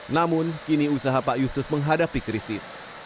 namun kini usaha pak yusuf menghadapi krisis